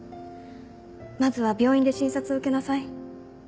まずは病院で診察を受けなさい。